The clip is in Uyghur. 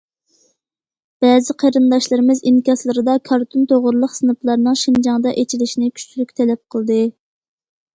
بەزى قېرىنداشلىرىمىز ئىنكاسلىرىدا كارتون توغرىلىق سىنىپلارنىڭ شىنجاڭدا ئېچىلىشىنى كۈچلۈك تەلەپ قىلدى.